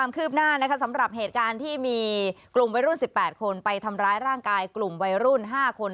คืบหน้านะคะสำหรับเหตุการณ์ที่มีกลุ่มวัยรุ่น๑๘คนไปทำร้ายร่างกายกลุ่มวัยรุ่น๕คน